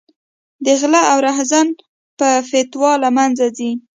د غله او رحزن په فتوا له منځه ځي.